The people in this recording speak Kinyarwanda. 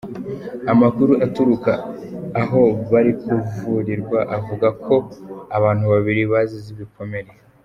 Amakuru aturuka aho bari kuvurirwa avuga ko abantu babiri bazize ibikomere.